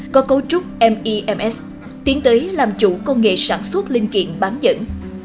có cấu trúc mems tiến tới làm chủ công nghệ sản xuất linh kiện bán dẫn